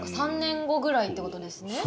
３年後ぐらいってことですね。